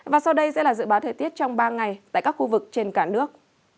và sau đây sẽ là dự báo thời tiết trong ba ngày tại các khu vực trên cả nước